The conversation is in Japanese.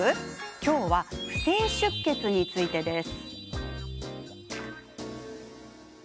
今日は不正出血についてです。